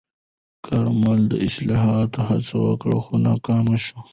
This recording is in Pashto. کارمل د اصلاحاتو هڅه وکړه، خو ناکامه شوه.